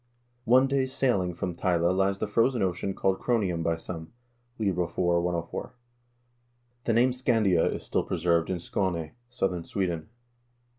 One day's sailing from Tyle lies the frozen ocean called Cro nium by some." — Lib. IV., 104. The name Scandia is still preserved in Skane, southern Sweden.